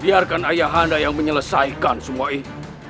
biarkan ayah anda yang menyelesaikan semua ini